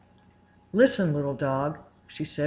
"Listen, Little Dog!" she said.